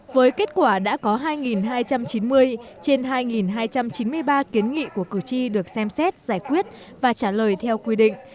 với kết quả đã có hai hai trăm chín mươi trên hai hai trăm chín mươi ba kiến nghị của cử tri được xem xét giải quyết và trả lời theo quy định